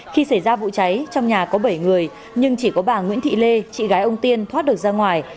khi xảy ra vụ cháy trong nhà có bảy người nhưng chỉ có bà nguyễn thị lê chị gái ông tiên thoát được ra ngoài